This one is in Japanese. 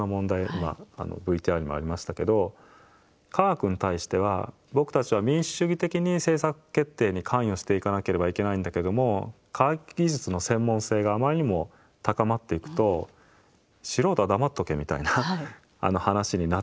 今ＶＴＲにもありましたけど科学に対しては僕たちは民主主義的に政策決定に関与していかなければいけないんだけども科学技術の専門性があまりにも高まっていくと素人は黙っとけみたいな話になってしまうと。